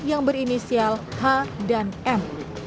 yang berinisial h dan m